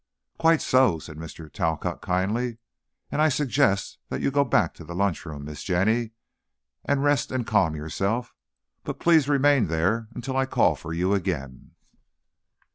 "Quite so," said Mr. Talcott, kindly, "and I suggest that you go back to the lunchroom, Miss Jenny, and rest and calm yourself. But please remain there, until I call for you again."